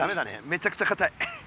めちゃくちゃかたい。